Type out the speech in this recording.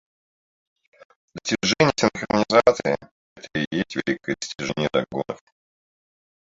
Достижение идеальной синхронизации с движениями и эмоциями персонажа.